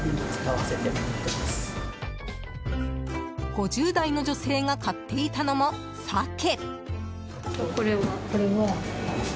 ５０代の女性が買っていたのも、サケ。